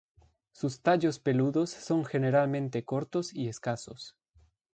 Sus tallos peludos son generalmente cortos y escasos.